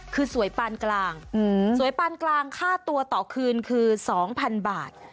คือสวยปานกลางสวยปานกลางค่าตัวต่อคืนคือ๒๐๐๐บาท